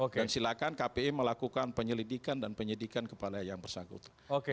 dan silakan kpi melakukan penyelidikan dan penyedikan kepada yang bersangkutan